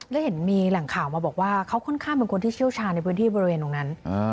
แล้วเห็นมีแหล่งข่าวมาบอกว่าเขาค่อนข้างเป็นคนที่เชี่ยวชาญในพื้นที่บริเวณตรงนั้น